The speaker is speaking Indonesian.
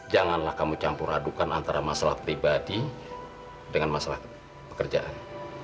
janganlah kamu campur adukan antara masalah pribadi dengan masalah pekerjaan